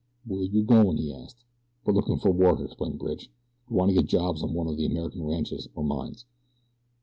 "Where you going?" he asked. "We're looking for work," explained Bridge. "We want to get jobs on one of the American ranches or mines."